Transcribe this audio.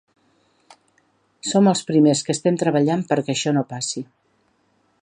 Som els primers que estem treballant perquè això no passi.